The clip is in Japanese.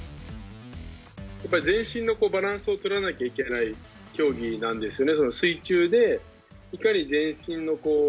全身のバランスを取らなきゃいけない競技なんですね。